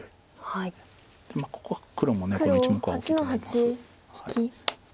ここは黒もこの１目は大きいと思います。